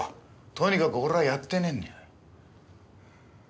とにかく俺はやってねえんだよ。